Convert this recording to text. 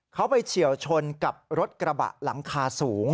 เขาไปเฉียวชนกับรถกระบะหลังคาสูง